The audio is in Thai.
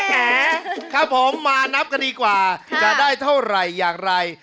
แหมครับผมมานับกันดีกว่าจะได้เท่าไหร่อย่างไร